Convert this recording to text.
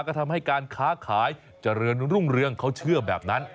ก็ทำให้การค้าขายเจริญรุ่งเรืองเขาเชื่อแบบนั้น